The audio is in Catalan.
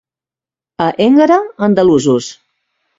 A Énguera, andalusos.